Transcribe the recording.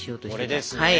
これですね？